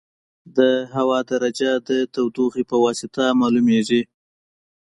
د هوا درجه د تودوخې په واسطه معلومېږي.